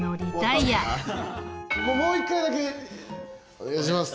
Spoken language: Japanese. お願いします。